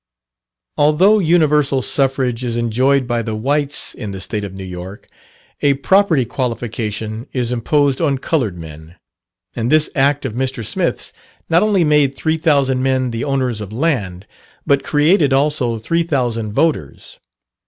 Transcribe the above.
Although universal suffrage is enjoyed by the whites in the State of New York, a property qualification is imposed on coloured men; and this act of Mr. Smith's not only made three thousand men the owners of land, but created also three thousand voters.